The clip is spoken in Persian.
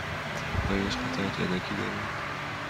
آیا هیچ قطعات یدکی دارید؟